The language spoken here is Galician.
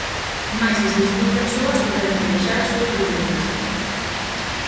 Máis de seis mil persoas tiveron que deixar as súas vivendas.